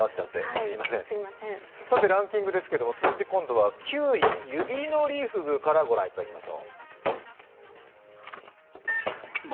ランキングですが、続いて９位、指のりふぐから御覧いただきましょう。